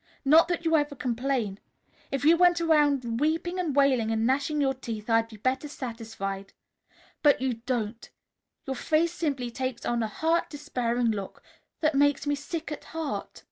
Not that you ever complain. If you went around weeping and wailing and gnashing your teeth, I'd be better satisfied. But you don't. Your face simply takes on a hurt, despairing look that makes me sick at heart."